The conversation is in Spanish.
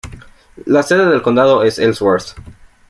La sede del condado es Ellsworth.